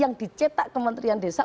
yang dicetak kementerian desa